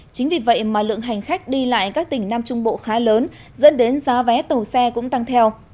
chính vì vậy mà lượng hành khách đi lại các tỉnh nam trung bộ khá lớn dẫn đến giá vé tàu xe cũng tăng theo